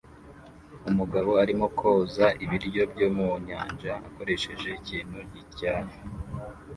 Umugabo arimo koza ibiryo byo mu nyanja akoresheje ikintu gityaye